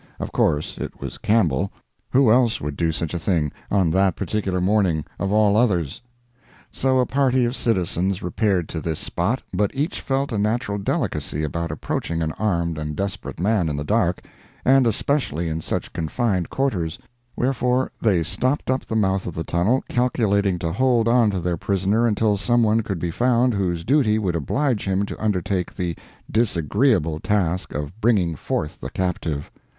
Of course it was Campbell—who else would do such a thing, on that particular morning, of all others? So a party of citizens repaired to this spot, but each felt a natural delicacy about approaching an armed and desperate man in the dark, and especially in such confined quarters; wherefore they stopped up the mouth of the tunnel, calculating to hold on to their prisoner until some one could be found whose duty would oblige him to undertake the disagreeable task of bringing forth the captive.